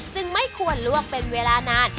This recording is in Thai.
ไม่ควรลวกเป็นเวลานาน